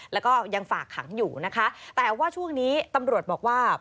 แล้วก็ยังฝากขังอยู่นะคะแต่ว่าช่วงนี้ตำรวจบอกว่า